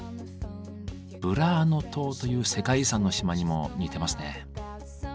ブラーノ島という世界遺産の島にも似てますね。